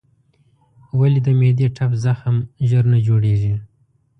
ولې د معدې ټپ زخم ژر نه جوړېږي؟